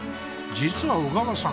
実は小川さん